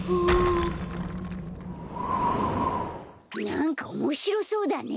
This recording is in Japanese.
なんかおもしろそうだね。